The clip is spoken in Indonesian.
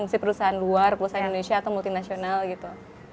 mesti perusahaan luar perusahaan indonesia atau multinasional gitu